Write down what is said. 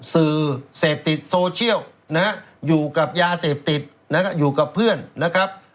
สื่อเสพติดโซเชียลนะฮะอยู่กับยาเสพติดนะฮะอยู่กับเพื่อนนะครับ